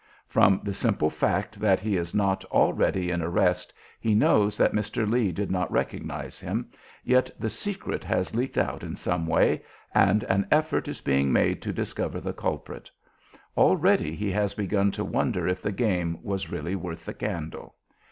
From the simple fact that he is not already in arrest he knows that Mr. Lee did not recognize him, yet the secret has leaked out in some way, and an effort is being made to discover the culprit. Already he has begun to wonder if the game was really worth the candle.